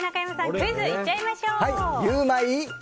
クイズいっちゃいましょう。